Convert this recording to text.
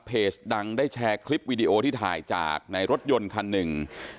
ดังได้แชร์คลิปวิดีโอที่ถ่ายจากในรถยนต์คันหนึ่ง